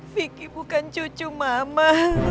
vicky bukan cucu mama